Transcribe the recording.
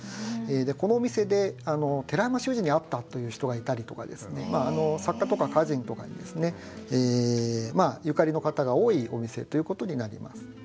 このお店で寺山修司に会ったという人がいたりとか作家とか歌人とかにですねゆかりの方が多いお店ということになります。